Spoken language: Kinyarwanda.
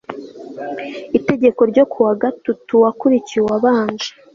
itegeko ryo ku wa gatutu wakurikiye uwabanje